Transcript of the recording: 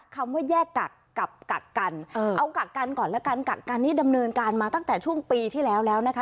คำว่าแยกกักกับกักกันเอากักกันก่อนแล้วกันกักกันนี้ดำเนินการมาตั้งแต่ช่วงปีที่แล้วแล้วนะคะ